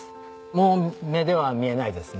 もう目では見えないですね。